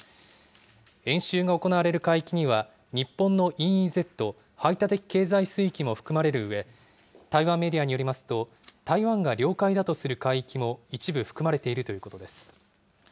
演習が行われる海域には日本のＥＥＺ、排他的経済水域も含まれるうえ台湾メディアによりますと台湾が領海だとする海域も一部含まれているということです。